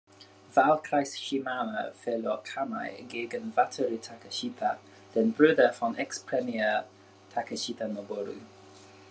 Wahlkreis Shimane verlor Kamei gegen Wataru Takeshita, den Bruder von Ex-Premier Takeshita Noboru.